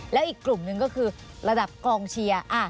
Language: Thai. แล้วอีกกลุ่มหนึ่งก็คือระดับกองเชียร์